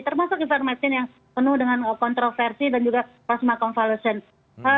termasuk ivermectin yang penuh dengan kontroversi dan juga plasma konvalesen